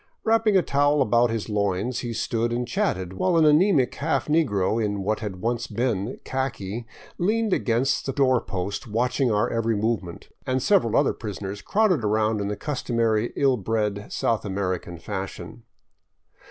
Wrapping a towel about his loins, he stood and chatted, while an anemic half negro in what had once been khaki leaned against the door post watching our every movement, and several other prisoners crowded round in the customary ill bred South American fashion.